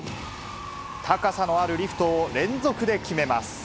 高さのあるリフトを連続で決めます。